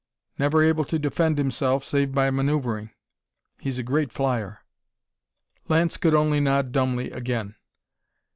Never able to defend himself, save by maneuvering. He's a great flyer!" Lance could only nod dumbly again.